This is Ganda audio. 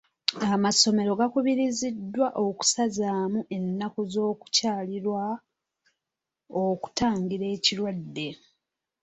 Amasomero gakubiriziddwa okusazaamu ennaku z'okukyalirwa okutangira ekirwadde.